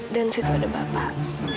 dan di situ ada bapak